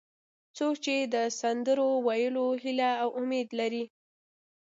څوک چې د سندرو ویلو هیله او امید لري.